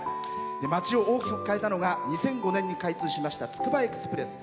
街を大きく変えたのは２００５年に開通しましたつくばエクスプレス。